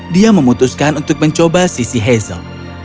dia memutuskan untuk mencoba sisi hazel